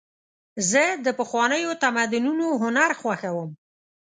زه د پخوانیو تمدنونو هنر خوښوم.